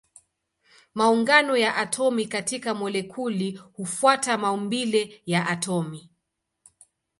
Maungano ya atomi katika molekuli hufuata maumbile ya atomi.